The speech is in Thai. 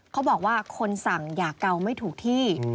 เขาบอกว่าคนสั่งอย่าเกาไม่ถูกที่